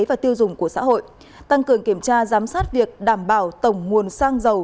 và tiêu dùng của xã hội tăng cường kiểm tra giám sát việc đảm bảo tổng nguồn xăng dầu